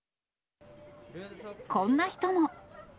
こんな人も。